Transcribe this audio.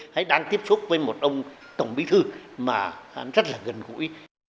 hay đang tiếp xúc với một ông tổng bí thư mà rất là gần gũi